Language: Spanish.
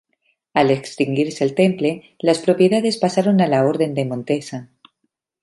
Al extinguirse el Temple, las propiedades pasaron a la Orden de Montesa.